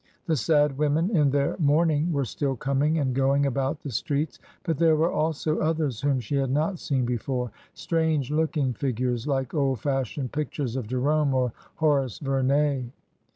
The sad women in their mourning were still coming and going about the streets, but there were also others whom she had not seen before — strange look ing figures, like old fashioned pictures of Jerome or Horace Vernet.